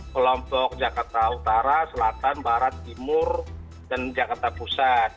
kelompok jakarta utara selatan barat timur dan jakarta pusat